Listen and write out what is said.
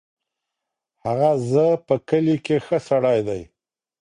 هغه ز په کلي کې ښه سړی دی.